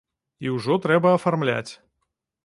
І ўжо трэба афармляць.